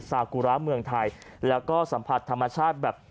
ซากุระเมืองไทยแล้วก็สัมผัสธรรมชาติแบบ